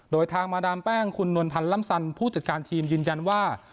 โดยทางมาดามแป้งคุณนวลพันธ์ล่ำสันผู้จัดการทีมยืนยันว่า